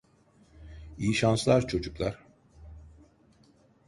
İyi şanslar çocuklar.